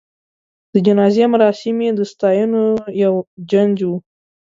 د جنازې مراسم یې د ستاینو یو جنج و.